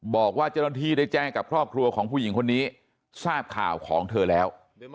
บอกว่าเจ้าหน้าที่ได้แจ้งกับครอบครัวของผู้หญิงคนนี้ทราบข่าวของเธอแล้ว